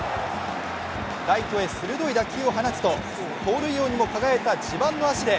ライトへ鋭い打球を放つと、盗塁王にも輝いた自慢の足で